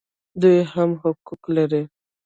دوی هم حقوق لري